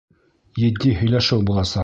Етди һөйләшеү буласаҡ.